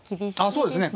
そうですね。